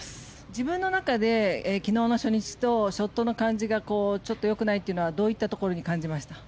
自分の中で昨日の初日とショットの感じがちょっと良くないっていうのはどういったところに感じました？